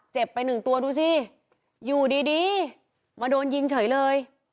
เจ็บไป๑ตัวดูสิอยู่ดีมาโดนยิงเฉยเลย